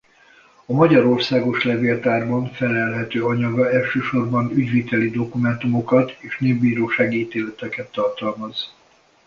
A Magyar Országos Levéltárban fellelhető anyaga elsősorban ügyviteli dokumentumokat és népbírósági ítéleteket tartalmaz.